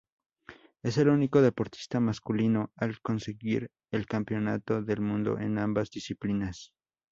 Es el único deportista masculino al conseguir el campeonato del mundo en ambas disciplinas.